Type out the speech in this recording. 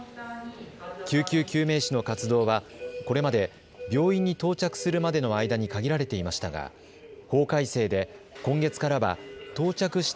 救急救命士の活動は、これまで病院に到着するまでの間に限られていましたが法改正で今月からは到着した